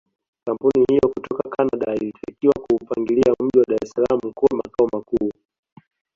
Kampuni hiyo kutoka Canada ilitakiwa kuupangilia mji wa Dar es salaam kuwa makao makuu